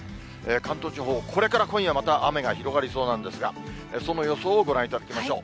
関東地方、これから今夜、また雨が広がりそうなんですが、その予想をご覧いただきましょう。